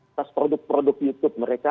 atas produk produk youtube mereka